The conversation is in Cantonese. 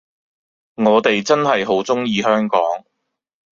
我哋真係好鍾意香港